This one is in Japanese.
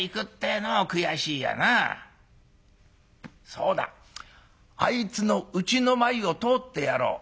そうだあいつのうちの前を通ってやろう。